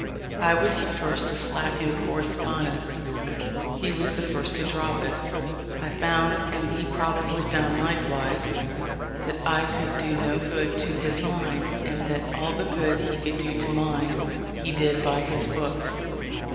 I was the first to slacken correspondence; he was the first to drop it. I found, and he probably found likewise, that I could do no good to his mind, and that all the good he could do to mine, he did by his books.